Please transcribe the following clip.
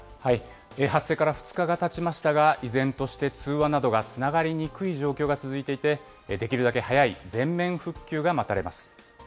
発生から２日がたちましたが、依然として通話などがつながりにくい状況が続いていて、できるだけ早い全面復旧が待たれます。